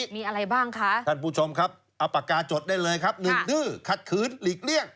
มีอะไรบ้างคะท่านผู้ชมครับเอาปากกาจดได้เลยครับหนึ่งดื้อขัดขืนหลีกเลี่ยง